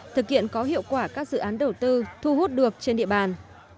thực hiện có hiệu quả các dự án đầu tư thu hút được trên địa bàn